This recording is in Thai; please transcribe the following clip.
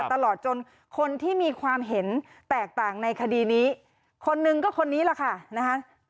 ตลอดจนคนที่มีความเห็นแตกต่างในคดีนี้คนหนึ่งก็คนนี้แหละค่ะนะคะ